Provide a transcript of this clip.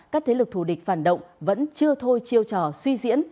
các thế lực thù địch phản động vẫn chưa thôi chiêu trò suy diễn